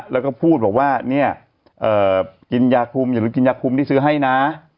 แล้วก็พูดว่าอย่าลืมกินยาคุมที่ซื้อให้นะ